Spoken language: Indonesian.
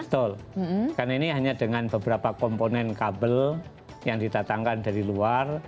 betul karena ini hanya dengan beberapa komponen kabel yang ditatangkan dari luar